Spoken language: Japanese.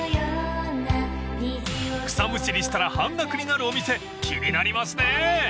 ［草むしりしたら半額になるお店気になりますね］